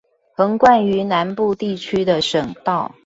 橫貫於南部地區的省道